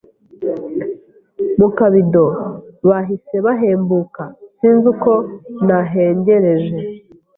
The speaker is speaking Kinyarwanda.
mu kabido bahise bahembuka sinzi uko nahengereje